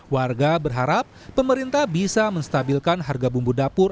warga berharap pemerintah bisa menstabilkan harga bumbu dapur